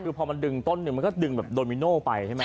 คือพอมันดึงต้นหนึ่งมันก็ดึงแบบโดมิโน่ไปใช่ไหม